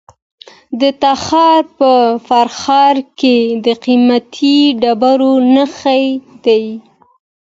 د تخار په فرخار کې د قیمتي ډبرو نښې دي.